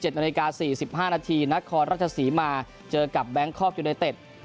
๑๗นสี่สิบห้านาทีนครรัชศรีมาเจอกับแบงค์คอล์ฟยูนไนเต็ต